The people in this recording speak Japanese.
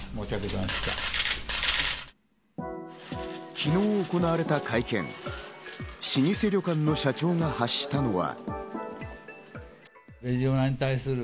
昨日、行われた会見、老舗旅館の社長が発したのは。